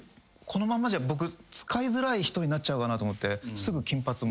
このままじゃ僕使いづらい人になっちゃうかなと思って。